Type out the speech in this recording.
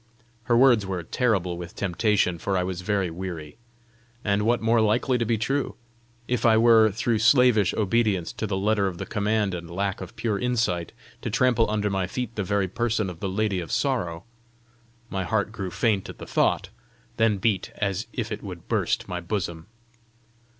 Her words were terrible with temptation, for I was very weary. And what more likely to be true! If I were, through slavish obedience to the letter of the command and lack of pure insight, to trample under my feet the very person of the Lady of Sorrow! My heart grew faint at the thought, then beat as if it would burst my bosom.